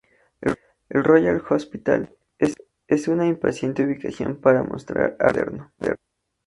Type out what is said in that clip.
El Royal Hospital es una impactante ubicación para mostrar arte moderno.